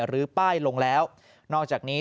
หรือป้ายลงแล้วนอกจากนี้